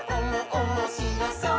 おもしろそう！」